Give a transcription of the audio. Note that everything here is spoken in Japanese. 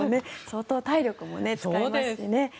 相当体力も使いますしね。